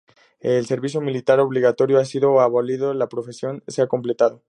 El servicio militar obligatorio ha sido abolido y la profesionalización se ha completado.